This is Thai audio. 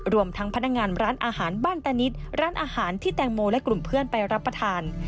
รวมทั้งพนักงานร้านอาหารบ้านตานิดร้านอาหารที่แตงโมและกลุ่มเพื่อนไปรับประทาน